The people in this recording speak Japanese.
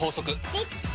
できた！